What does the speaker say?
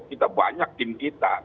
kita banyak tim kita